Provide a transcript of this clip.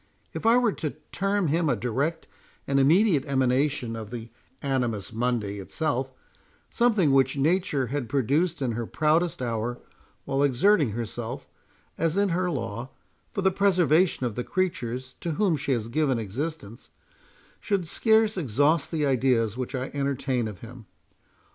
—If I were to term him a direct and immediate emanation of the Animus Mundi itself—something which Nature had produced in her proudest hour, while exerting herself, as is her law, for the preservation of the creatures to whom she has given existence— should scarce exhaust the ideas which I entertain of him.